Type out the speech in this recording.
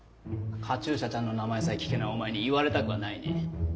カチューシャちゃんの名前さえ聞けないお前に言われたくはないね。